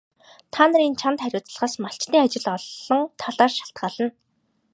Та нарын чанд хариуцлагаас малчдын ажил олон талаар шалтгаална.